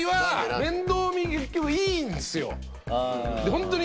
ホントに。